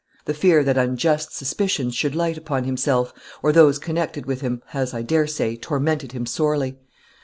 The fear that unjust suspicion should light upon himself, or those connected with him, has, I dare say, tormented him sorely.